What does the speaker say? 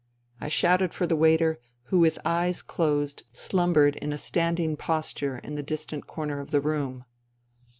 I shouted for the waiter, who with eyes closed slumbered in a stand ing posture in the distant corner of the room.